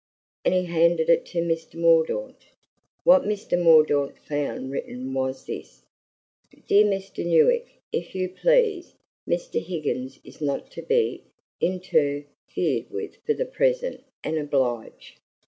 And he handed it to Mr. Mordaunt. What Mr. Mordaunt found written was this: "Dear mr. Newik if you pleas mr. higins is not to be intur feared with for the present and oblige.